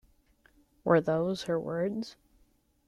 Were those her words?